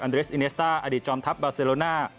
เรสอิเนสต้าอดีตจอมทัพบาเซโลน่า